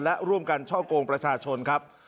และร่วมกันช่อกงประชาชนครับ